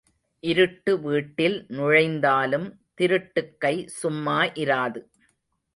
இருட்டு வீட்டில் நுழைந்தாலும் திருட்டுக் கை சும்மா இராது.